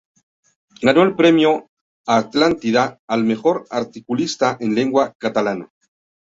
Ganó el premio Atlántida a la mejor articulista en lengua catalana.